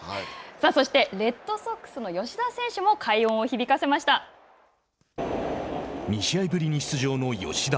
そして、レッドソックスの吉田選手も２試合ぶりに出場の吉田。